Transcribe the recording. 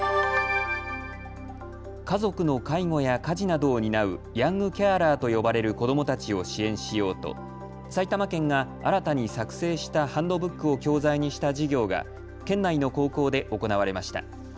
家族の介護や家事などを担うヤングケアラーと呼ばれる子どもたちを支援しようと埼玉県が新たに作成したハンドブックを教材にした授業が県内の高校で行われました。